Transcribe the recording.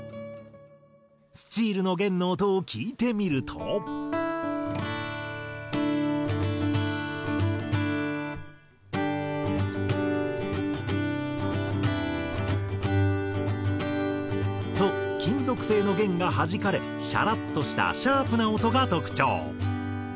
スチールの弦の音を聴いてみると。と金属製の弦がはじかれシャラっとしたシャープな音が特徴。